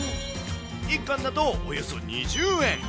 １貫だと、およそ２０円。